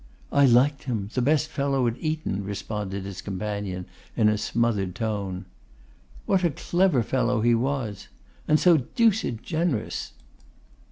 'I liked him, the best fellow at Eton,' responded his companion, in a smothered tone. 'What a clever fellow he was!' 'And so deuced generous!